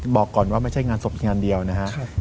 บอกก่อนว่าไม่ใช่งานศพงานเดียวนะครับ